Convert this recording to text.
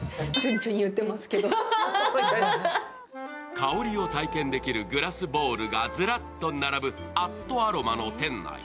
香りを体験できるグラスボールがずらっと並ぶアットアロマの店内。